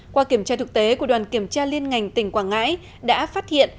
qua kiểm tra thực tế của đoàn kiểm tra liên ngành tỉnh quảng ngãi đã phát hiện